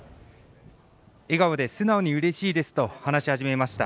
笑顔で、素直にうれしいですと話し始めました。